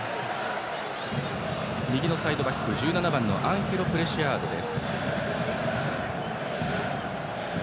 右のサイドバック、１７番のアンヘロ・プレシアードです。